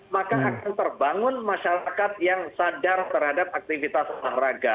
maka akan terbangun masyarakat yang sadar terhadap aktivitas olahraga